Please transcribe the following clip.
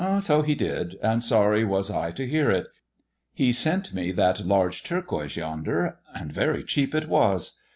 " So he did, and sorry was I to hear it. He sent me that siTge turquoise yonder, and very cheap it was.